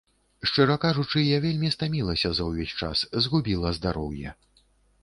Шчыра кажучы, я вельмі стамілася за ўвесь час, згубіла здароўе.